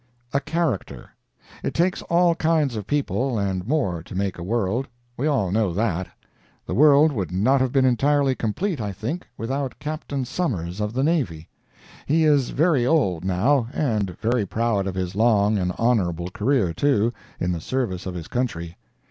A CHARACTER It takes all kinds of people and more to make a world. We all know that. The world would not have been entirely complete, I think, without Capt. Summers of the navy. He is very old, now, and very proud of his long and honorable career, too, in the service of his country.